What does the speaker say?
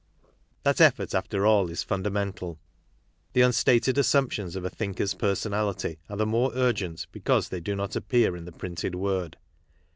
That effort, after all, is fundamental. The unstated assumptions of a thinker's personality are the more urgent because they do not appear in the printed word.